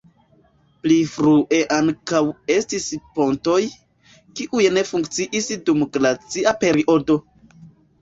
Pli frue ankaŭ estis pontoj, kiuj ne funkciis dum glacia periodo.